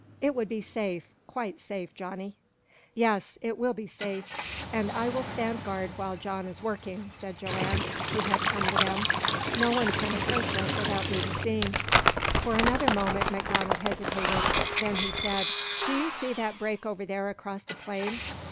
"It would be safe quite safe, Johnny." "Yes, it will be safe." "And I will stand guard while John is working," said Joanne, who had come to them. "No one can approach us without being seen." For another moment MacDonald hesitated. Then he said: "Do you see that break over there across the plain?